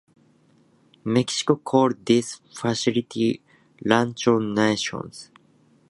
Mexico called this facility "rancho nacional".